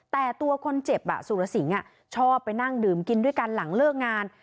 แต่ตัวคนเจ็บสุรสิงห์ชอบไปนั่งดื่มกินด้วยกันหลังเลิกงาน